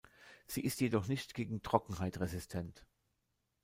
Sie ist jedoch nicht gegen Trockenheit resistent.